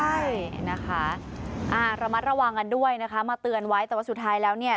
ใช่นะคะอ่าระมัดระวังกันด้วยนะคะมาเตือนไว้แต่ว่าสุดท้ายแล้วเนี่ย